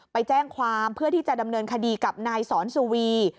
ไปแจ้งความเพื่อที่จะดำเนินคดีกับนายสอนสุวี